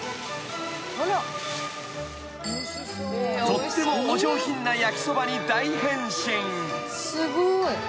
［とってもお上品な焼きそばに大変身］